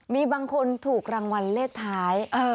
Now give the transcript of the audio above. มีบางคนถูกรางวัลเลขท้าย